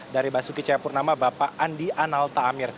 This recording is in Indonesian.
dari basuki caya purnama bapak andi analtamir